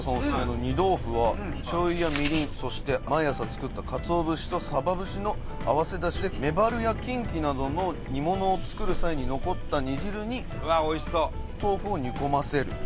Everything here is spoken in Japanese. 醤油やみりんそして毎朝作ったカツオ節とサバ節の合わせ出汁でメバルやキンキなどの煮物を作る際に残った煮汁に豆腐を煮込ませると。